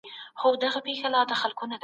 هغوی وویل چي ځمکه پر ښکر ولاړه ده.